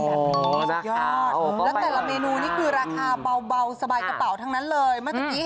สุดยอดแล้วแต่ละเมนูนี่คือราคาเบาสบายกระเป๋าทั้งนั้นเลยเมื่อตะกี้